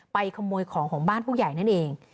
ขโมยของของบ้านผู้ใหญ่นั่นเอง